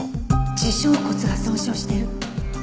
耳小骨が損傷してる。